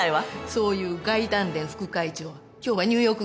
そういう外団連副会長は今日はニューヨーク帰りかい？